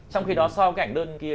trong khi đó so với cái ảnh đơn kia